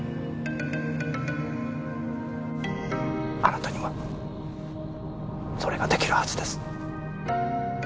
あなたにはそれが出来るはずです。